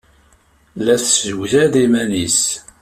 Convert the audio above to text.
La tessewjad iman-nnes.